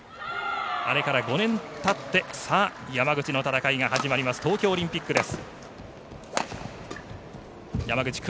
あれから５年たって山口の戦いが始まります東京オリンピックです。